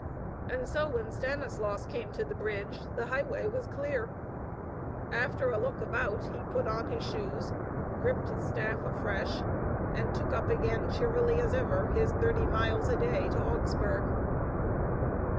And so, when Stanislaus came to the bridge, the highway was clear. After a look about, he put on his shoes, gripped his staff afresh, and took up again cheerily as ever his thirty miles a day to Augsburg.